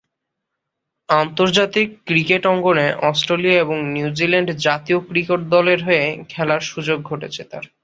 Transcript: আন্তর্জাতিক ক্রিকেট অঙ্গনে অস্ট্রেলিয়া এবং নিউজিল্যান্ড জাতীয় ক্রিকেট দলের হয়ে খেলার সুযোগ ঘটেছে তার।